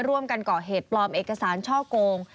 ร่วมกันก่อเหตุปลอมเอกสารช่อโกง